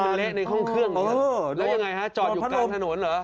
แล้วยังไงฮะจอดอยู่กันถนนเหรอ